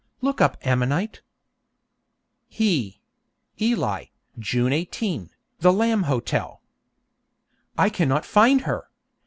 Look up ammonite.) He Ely, June 18, The Lamb Hotel. I cannot find her!